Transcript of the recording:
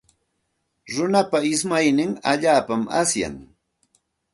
Runa ismay allaapaqmi asyan.